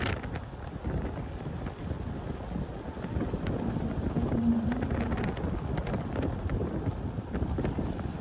後手６二同じく飛車。